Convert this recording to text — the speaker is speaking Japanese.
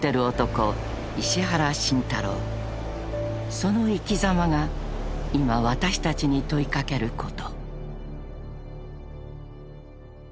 ［その生きざまが今私たちに問い掛けること］